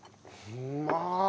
うまいっ！